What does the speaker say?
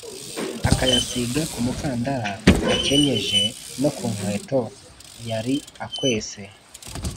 akayasīga ku mukandara akenyeje no ku nkweto yari akwese.